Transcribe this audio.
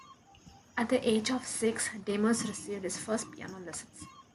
At the age of six, Demus received his first piano lessons.